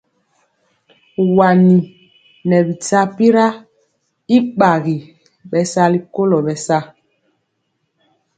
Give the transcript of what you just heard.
Wani nɛ bi tyapira y gbagi bɛ sali kolo bɛsa.